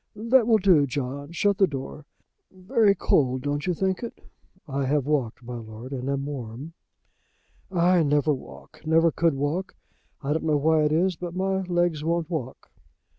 That will do, John, shut the door. Very cold, don't you think it." "I have walked, my lord, and am warm." "I never walk, never could walk. I don't know why it is, but my legs won't walk."